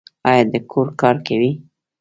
ایا د کور کار کوي؟